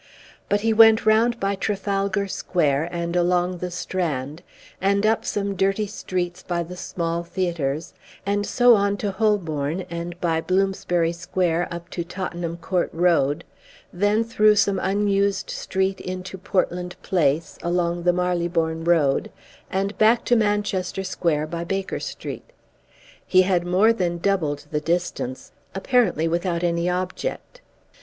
But he went round by Trafalgar Square, and along the Strand, and up some dirty streets by the small theatres, and so on to Holborn and by Bloomsbury Square up to Tottenham Court Road, then through some unused street into Portland Place, along the Marylebone Road, and back to Manchester Square by Baker Street. He had more than doubled the distance, apparently without any object.